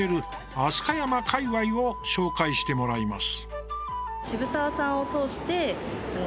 飛鳥山界わいを紹介してもらいます。